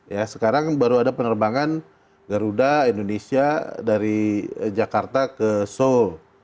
ya sekarang baru ada penerbangan garuda indonesia dari jakarta ke seoul